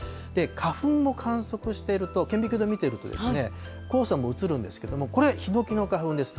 花粉も観測していると、顕微鏡で見ていると、黄砂も写るんですけれども、これヒノキの花粉です。